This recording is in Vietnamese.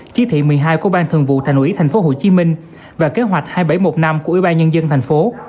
chỉ thị một mươi hai của ban thường vụ thành ủy tp hcm và kế hoạch hai nghìn bảy trăm một mươi năm của ủy ban nhân dân thành phố